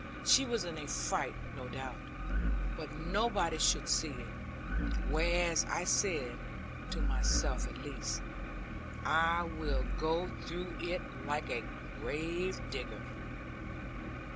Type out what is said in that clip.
She was in a fright, no doubt; but nobody should see it; whereas I said (to myself at least), 'I will go through it like a grave digger.'